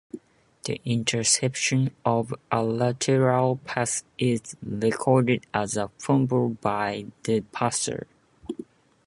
The interception of a lateral pass is recorded as a fumble by the passer.